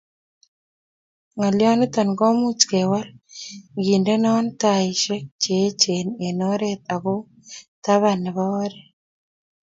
ngolyonito komuch kewal ngendeno taishek cheechen eng oret ago taban nebo oret